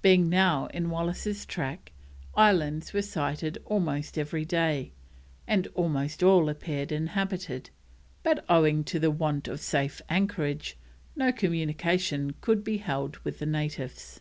Being now in Wallis's track, islands were sighted almost every day, and almost all appeared inhabited, but owing to the want of safe anchorage, no communication could be held with the natives.